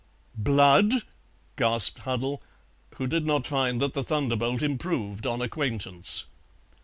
"Blood!" gasped Huddle, who did not find that the thunderbolt improved on acquaintance.